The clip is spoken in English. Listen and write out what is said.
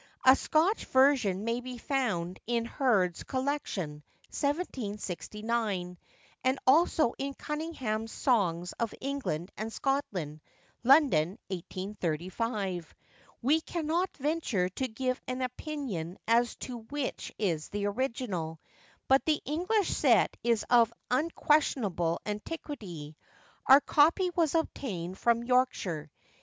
A Scotch version may be found in Herd's Collection, 1769, and also in Cunningham's Songs of England and Scotland, London, 1835. We cannot venture to give an opinion as to which is the original; but the English set is of unquestionable antiquity. Our copy was obtained from Yorkshire.